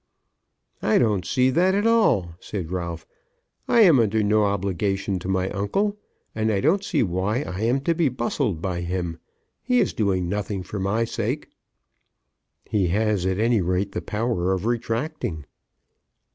"I don't see that at all," said Ralph. "I am under no obligation to my uncle, and I don't see why I am to be bustled by him. He is doing nothing for my sake." "He has, at any rate, the power of retracting."